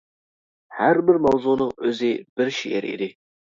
ھەر بىر ماۋزۇنىڭ ئۆزى بىر شېئىر ئىدى.